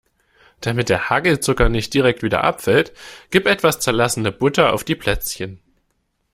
Damit der Hagelzucker nicht direkt wieder abfällt, gib etwas zerlassene Butter auf die Plätzchen.